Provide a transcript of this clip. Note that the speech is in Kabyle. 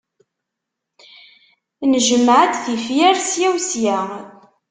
Njemmeɛ-d tifyar ssya u ssya.